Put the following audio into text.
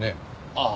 ああ。